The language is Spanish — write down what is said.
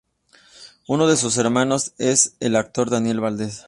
Uno de sus hermanos es el actor Daniel Valdez.